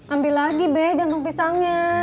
ambil lagi deh jantung pisangnya